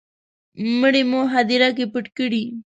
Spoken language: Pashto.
مړی مو هدیره کي پټ کړی